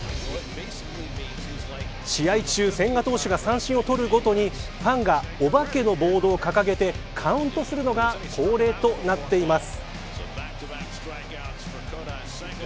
試合中千賀投手が三振を取るごとにファンがお化けのボードを掲げてカウントするのが恒例となっています。